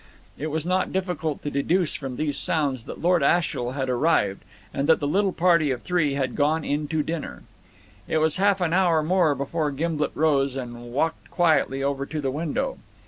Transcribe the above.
It was not difficult to deduce from these sounds that Lord Ashiel had arrived, and that the little party of three had gone in to dinner. It was half an hour more before Gimblet rose, and walked quietly over to the window.